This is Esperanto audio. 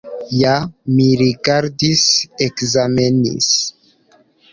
Ja mi rigardis, ekzamenis!